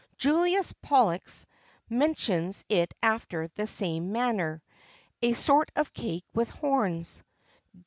Julius Pollux mentions it after the same manner a sort of cake with horns.